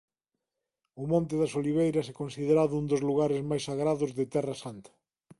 O monte das Oliveiras é considerado un dos lugares máis sagrados de Terra Santa.